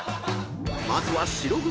［まずは白組。